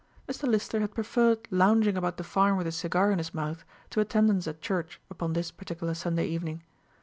Mr. Lister had preferred lounging about the farm with a cigar in his mouth to attendance at church upon this particular Sunday evening.